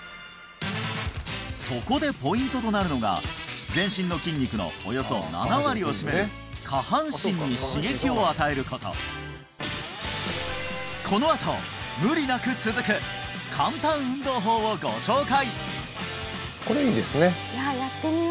そこでポイントとなるのが全身の筋肉のおよそ７割を占める下半身に刺激を与えることこのあとをご紹介！